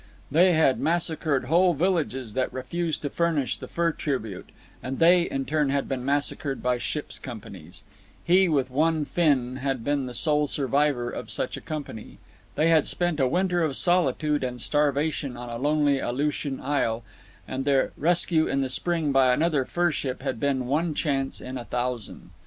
They had massacred whole villages that refused to furnish the fur tribute; and they, in turn, had been massacred by ships' companies. He, with one Finn, had been the sole survivor of such a company. They had spent a winter of solitude and starvation on a lonely Aleutian isle, and their rescue in the spring by another fur ship had been one chance in a thousand.